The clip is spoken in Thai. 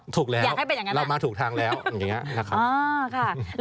ถูกแล้วเรามาถูกทางแล้วอย่างนี้นะครับ